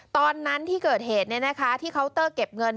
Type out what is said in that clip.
ตอนนั้นที่เกิดเหตุที่เคาน์เตอร์เก็บเงิน